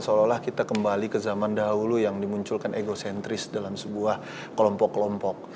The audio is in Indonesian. seolah olah kita kembali ke zaman dahulu yang dimunculkan egocentris dalam sebuah kelompok kelompok